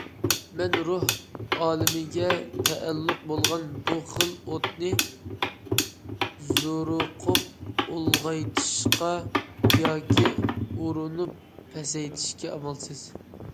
مەن روھ ئالىمىگە تەئەللۇق بولغان ئۇ خىل ئوتنى زورۇقۇپ ئۇلغايتىشقا ياكى ئۇرۇنۇپ پەسەيتىشكە ئامالسىز.